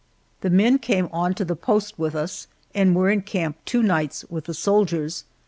The men came on to the post with us, and were in camp two nights with the soldiers.